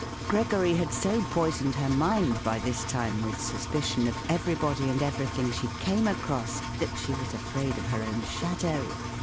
Gregory had so poisoned her mind by this time with suspicion of everybody and every¬ thing she came across, that she was afraid of her own shadow.